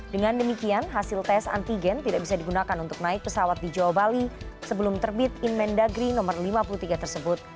dengan demikian hasil tes antigen tidak bisa digunakan untuk naik pesawat di jawa bali sebelum terbit inmen dagri no lima puluh tiga tersebut